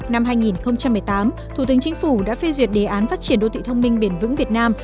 năm hai nghìn một mươi tám thủ tướng chính phủ đã phê duyệt đề án phát triển đô thị thông minh biển vững việt nam